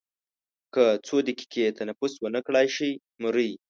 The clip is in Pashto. که څو دقیقې تنفس ونه کړای شي مري.